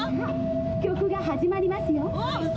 「曲が始まりますよ！」